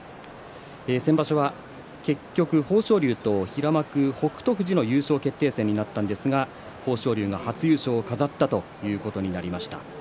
先場所は結局、豊昇龍と平幕の北勝富士の優勝決定戦になりましたが豊昇龍が初優勝を飾ったということになりました。